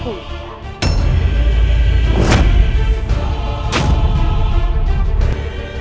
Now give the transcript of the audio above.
kau tidak bisa menangkap kian santang